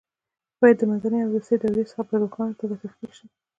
باید د منځنۍ او وروستۍ دورې څخه په روښانه توګه تفکیک شي.